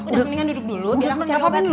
udah mendingan duduk dulu biar aku cari obatnya